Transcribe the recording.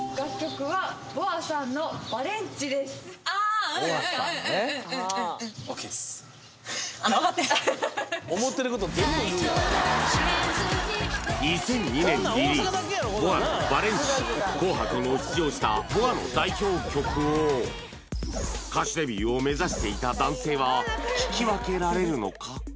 タイトなジーンズに２００２年リリースＢｏＡの「ＶＡＬＥＮＴＩ」紅白にも出場したＢｏＡの代表曲を歌手デビューを目指していた男性は聴き分けられるのか？